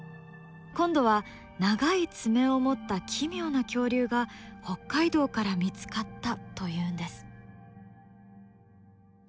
今度は長い爪を持った奇妙な恐竜が北海道から見つかったというんです。